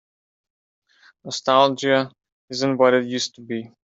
Nostalgia isn't what it used to be.